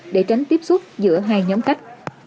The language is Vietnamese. để tránh tiếp xúc giữa hai nhóm cách